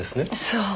そう。